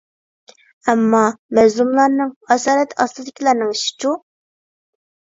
ئەمما، مەزلۇملارنىڭ، ئاسارەت ئاستىدىكىلەرنىڭ ئىشىچۇ؟